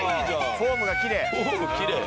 フォームきれい。